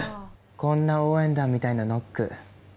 こんな応援団みたいなノック。